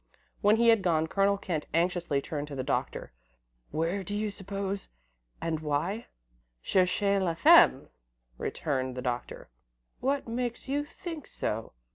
When he had gone Colonel Kent anxiously turned to the doctor. "Where do you suppose and why " "Cherchez la femme," returned the Doctor. "What makes you think so?